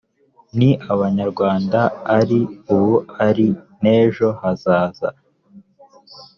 ni abanyarwanda ari ubu ari n’ejo hazaza